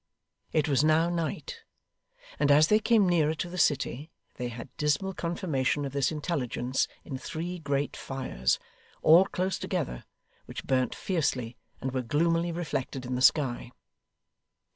It was now night, and as they came nearer to the city they had dismal confirmation of this intelligence in three great fires, all close together, which burnt fiercely and were gloomily reflected in the sky.